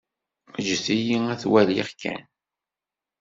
Ǧǧet-iyi ad t-waliɣ kan.